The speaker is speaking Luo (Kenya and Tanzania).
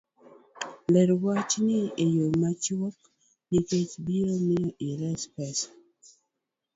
ler wecheni e yo machuok nikech biro miyo ires pesa.